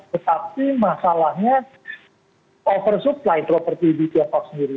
tetapi masalahnya oversupply properti di tiongkok sendiri